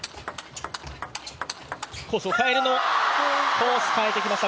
コースを変えてきました